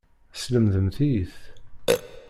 Teslemdemt-iyi-t.